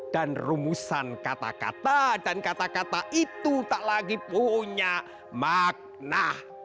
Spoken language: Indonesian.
dan rumusan kata kata dan kata kata itu tak lagi punya makna